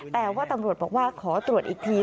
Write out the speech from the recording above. แต่ว่าตำรวจบอกว่าขอตรวจอีกที